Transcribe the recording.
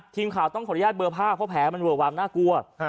ทีมข่าวต้องขออนุญาตเบอร์ผ้าเพราะแผลมันเวอะวางน่ากลัว